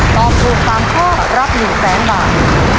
ตอบถูกสามข้อรับหนึ่งแสงบาท